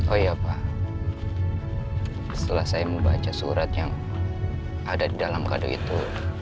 oh iya pak setelah saya membaca surat yang ada di dalam kado itu